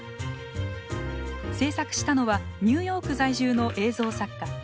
制作したのはニューヨーク在住の映像作家